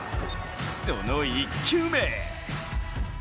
その１球目。